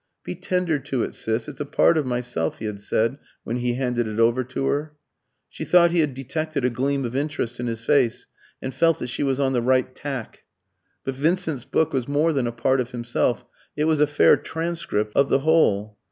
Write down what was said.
"Be tender to it, Sis, it's a part of myself," he had said when he handed it over to her. She thought she had detected a gleam of interest in his face, and felt that she was on the right tack. But Vincent's book was more than a part of himself, it was a fair transcript of the whole.